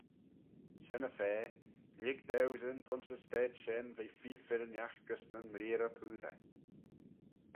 Shen-y-fa, lhig dauesyn t'ayns y stayd shen ve feer firrinagh gys nyn mreearrey-poosey.